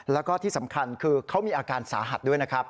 แล้วก็ที่สำคัญคือเขามีอาการสาหัสด้วยนะครับ